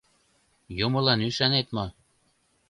— Юмылан ӱшанет мо?